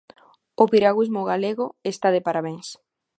O piragüismo galego está de parabéns.